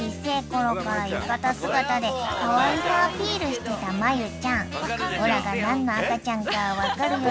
ころから浴衣姿でかわいさアピールしてた真由ちゃんおらが何の赤ちゃんか分かるよね？］